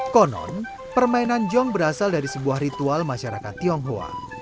konon permainan jong berasal dari sebuah ritual masyarakat tionghoa